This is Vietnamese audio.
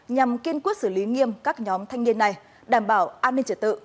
nhằm kiên quyết xử lý nghiêm các nhóm thanh niên này đảm bảo an ninh trật tự